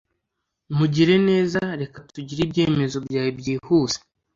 Mugire neza reka tugire ibyemezo byawe byihuse